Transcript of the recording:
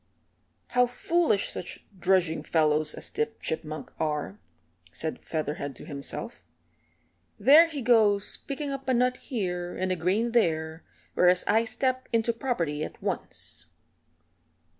"How foolish such drudging fellows as Tip Chipmunk are!" said Featherhead to himself. "There he goes picking up a nut here and a grain there, whereas I step into property at once."